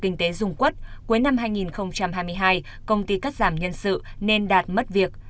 kinh tế dung quốc cuối năm hai nghìn hai mươi hai công ty cắt giảm nhân sự nên đạt mất việc